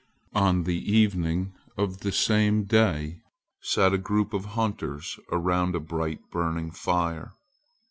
On the evening of the same day sat a group of hunters around a bright burning fire.